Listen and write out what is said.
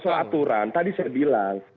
soal aturan tadi saya bilang